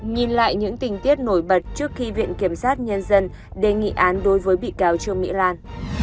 nhìn lại những tình tiết nổi bật trước khi viện kiểm sát nhân dân đề nghị án đối với bị cáo trương mỹ lan